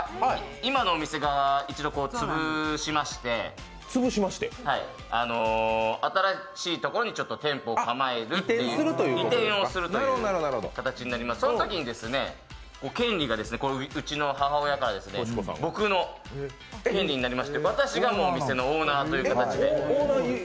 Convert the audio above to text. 今のお店を一度つぶしまして新しいところに店舗を構えるという、移転をする形になりますのでそのときに権利がうちの母親から僕の権利になりまして私が店のオーナーという形で。